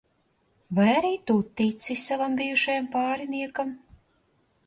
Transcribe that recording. Vai arī tu tici savam bijušajam pāriniekam?